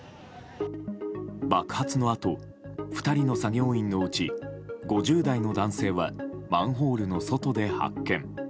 爆発のあと２人の作業員のうち５０代の男性はマンホールの外で発見。